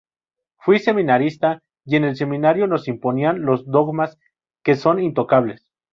Fui seminarista y en el seminario nos imponían los dogmas que son intocables.